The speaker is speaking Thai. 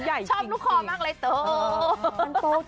ชอบลูกคอมากเลยโต